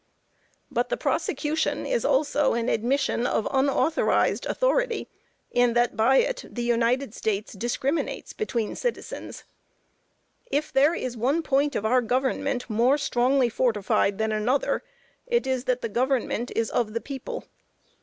But the prosecution is also an admission of unauthorized authority in that by it, the United States discriminates between citizens. If there is one point of our government more strongly fortified than another, it is that the government is of the people.